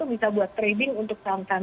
bisa buat trading untuk sam sam trading